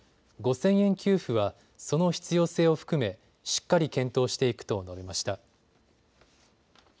５０００円給付は、その必要性を含め、しっかり検討していくと述べました。